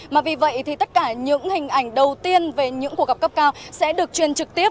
mà vì vậy thì tất cả những hình ảnh đầu tiên về những cuộc gặp cấp cao sẽ được truyền trực tiếp